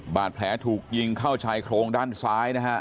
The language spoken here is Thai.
บาดแผลถูกยิงเข้าชายโครงด้านซ้ายนะฮะ